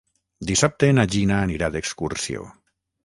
Dissabte na Gina anirà d'excursió.